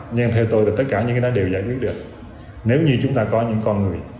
nhưng theo tôi là tất cả những cái đó đều giải quyết được nếu như chúng ta có những con người